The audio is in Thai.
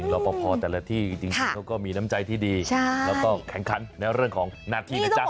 รอปภแต่ลักษณะที่มีน้ำใจที่ดีใช่แล้วก็แข็งขันในเรื่องของหน้านิดหนึ่ง